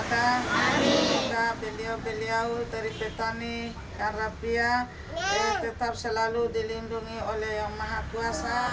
semoga beliau beliau dari petani karapia tetap selalu dilindungi oleh yang maha kuasa